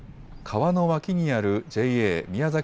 川の脇にあるＪＡ宮崎